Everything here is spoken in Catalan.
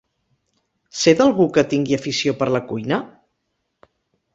Sé d'algú que tingui afició per la cuina?